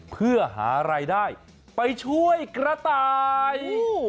เพื่อหารายได้ไปช่วยกระต่าย